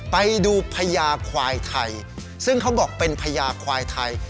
ไปดูพญาควายไทยซึ่งเขาบอกเป็นพญาควายไทย